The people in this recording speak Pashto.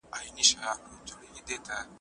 که واکمن او امرمنونکی نه وي سياسي ژوند نسته.